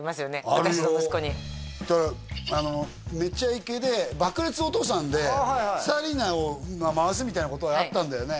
私の息子に「めちゃイケ」で爆烈お父さんで紗理奈を回すみたいなことがあったんだよね